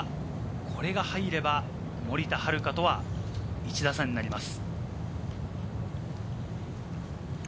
これが入れば、森田遥とは１打差になります。